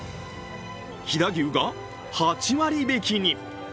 飛騨牛が８割引に。